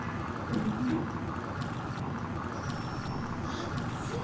あっつい！